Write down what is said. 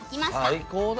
最高だ！